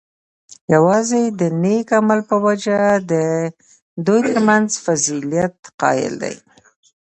یواځی د نیک عمل په وجه د دوی ترمنځ فضیلت قایل دی،